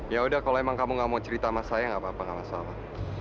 ya udah kalau emang kamu gak mau cerita sama saya nggak apa apa gak masalah